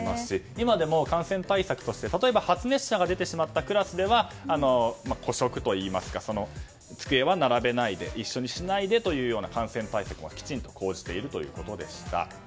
今でも感染対策として例えば、発熱者が出てしまったクラスでは個食といいますか机は並べないで一緒にしないでというような感染対策もきちんと講じているということでした。